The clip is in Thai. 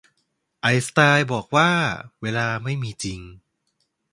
ไอน์สไตน์บอกว่าเวลาไม่มีจริง